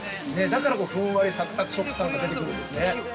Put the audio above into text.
◆だから、ふんわりサクサク食感が出てくるんですね。